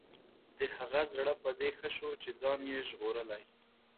د هغه زړه په دې ښه شو چې ځان یې ژغورلی.